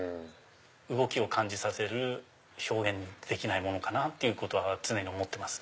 動きを感じさせる表現できないものかっていうことは常に思ってます。